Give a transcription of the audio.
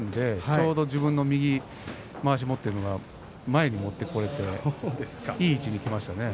ちょうど自分が右まわしを持っているのが前にきていい時にきましたね。